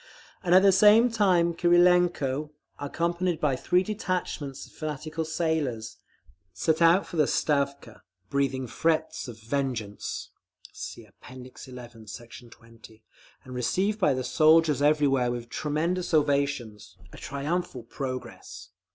And at the same time Krylenko, accompanied by three detachments of fanatical sailors, set out for the Stavka, breathing threats of vengeance, (See App. XI, Sect. 20) and received by the soldiers everywhere with tremendous ovations—a triumphal progress.